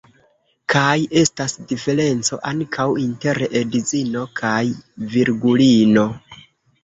Kaj estas diferenco ankaŭ inter edzino kaj virgulino.